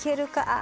あ！